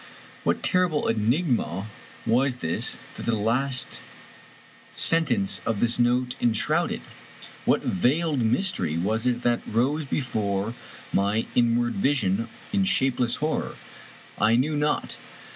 What terrible enigma was this that the last sentence of this note enshrouded? What veiled mystery was it that rose before my inward vision in shapeless horror? I knew not.